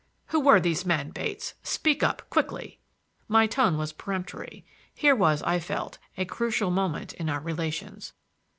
"Who were these men, Bates? Speak up quickly!" My tone was peremptory. Here was, I felt, a crucial moment in our relations.